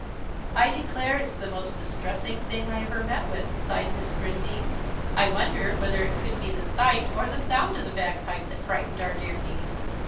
"I declare it's the most distressing thing I ever met with," sighed Miss Grizzy. "I wonder whether it could be the sight or the sound of the bagpipe that frightened our dear niece.